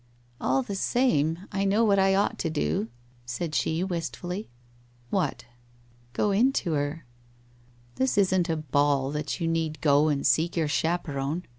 ' All the same, I know what I ought to do,' said she, wistfully. 'What?' 'Go in to her.' 1 This isn't a ball that you need go and seek your chap eron.